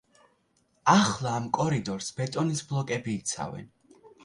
ახლა ამ კორიდორს ბეტონის ბლოკები იცავენ.